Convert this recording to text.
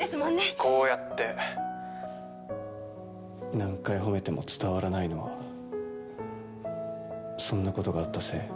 こうやって何回褒めても伝わらないのはそんなことがあったせい？